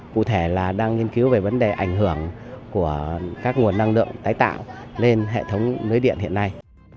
cụ thể là đang nghiên cứu về vấn đề ảnh hưởng của các nguồn năng lượng tái tạo lên hệ thống lưới điện hiện nay